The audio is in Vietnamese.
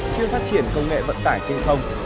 chưa phát triển công nghệ vận tải trên sông